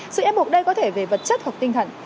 sự ép buộc đây có thể về vật chất hoặc tinh thần